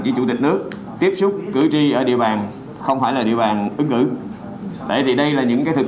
với chủ tịch nước tiếp xúc cử tri ở địa bàn không phải là địa bàn ứng cử tại vì đây là những thực